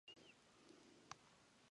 坎多伊是巴西巴拉那州的一个市镇。